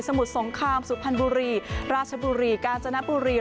มุดสงครามสุพรรณบุรีราชบุรีกาญจนบุรี